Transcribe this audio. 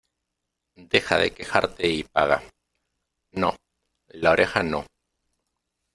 Deja de quejarte y paga. No, la oreja no .